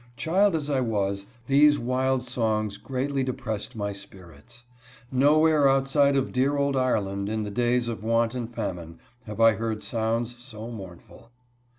Child as I was, these wild songs greatly depressed my spirits. Nowhere outside of dear old Ireland, in the days of want and famine, have I heard sounds so mourn ful.